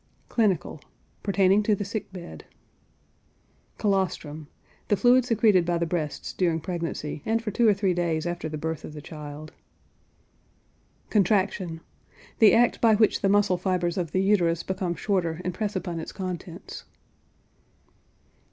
CLINICAL. Pertaining to the sick bed. COLOSTRUM. The fluid secreted by the breasts during pregnancy and for two or three days after the birth of the child. CONTRACTION. The act by which the muscle fibers of the uterus become shorter and press upon its contents.